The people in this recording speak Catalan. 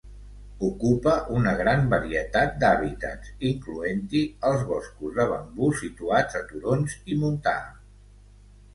Ocupa una gran varietat d'hàbitats, incloent-hi els boscos de bambú situats a turons i montà.